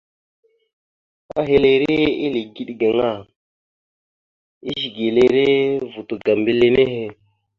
Ehelire eligeɗ gaŋa, ezigelire vuto ga mbile nehe.